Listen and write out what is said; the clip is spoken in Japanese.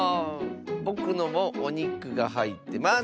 ぼくのもおにくがはいってます！